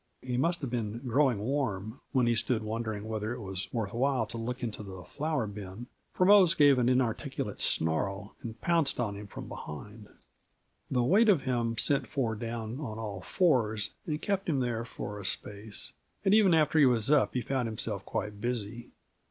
He must have been "growing warm" when he stood wondering whether it was worth while to look into the flour bin, for Mose gave an inarticulate snarl and pounced on him from behind. The weight of him sent Ford down on all fours and kept him there for a space, and even after he was up he found himself quite busy.